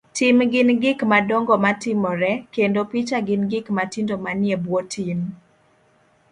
Tim gin gik madongo matimore, kendo picha gin gik matindo mantie ebwo tim.